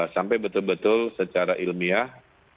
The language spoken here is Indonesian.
sampai betul betul secara ilmiah